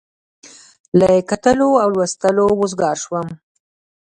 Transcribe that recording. له کتلو او لوستلو وزګار شوم.